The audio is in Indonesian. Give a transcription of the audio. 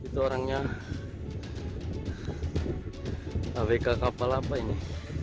itu orangnya abk kapal apa ini